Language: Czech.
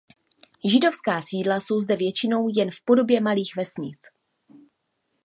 Židovská sídla jsou zde většinou jen v podobě malých vesnic.